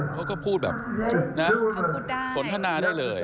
เขาก็พูดแบบนะสนทนาได้เลย